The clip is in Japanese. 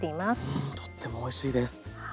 うんとってもおいしいです。